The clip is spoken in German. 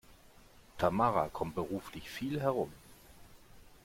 Tamara kommt beruflich viel herum.